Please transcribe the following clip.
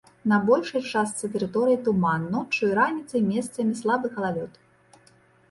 На большай частцы тэрыторыі туман, ноччу і раніцай месцамі слабы галалёд.